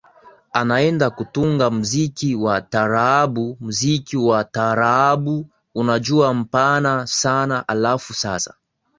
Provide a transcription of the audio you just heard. anaenda kutunga muziki wa taarabu Muziki wa taarabu unajua mpana sana Halafu sasa